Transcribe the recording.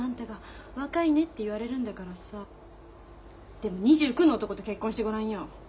でも２９の男と結婚してごらんよ。